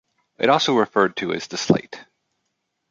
It is also referred to as the slate.